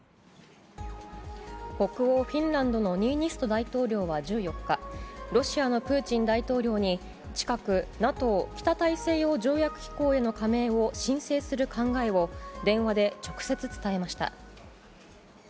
北欧フィンランドのニーニスト大統領は１４日、ロシアのプーチン大統領に近く、ＮＡＴＯ・北大西洋条約機構への加盟を申請する考えを、電話で直接伝えました。